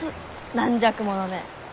軟弱者め！